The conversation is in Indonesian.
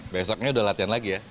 besoknya udah latihan lagi ya